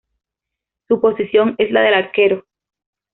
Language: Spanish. Su posición es la de Arquero.